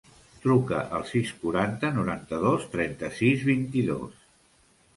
Truca al sis, quaranta, noranta-dos, trenta-sis, vint-i-dos.